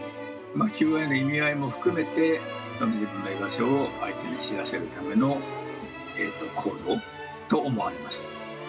求愛の意味合いも含めて、自分の居場所を相手に知らせるための行動と思われます。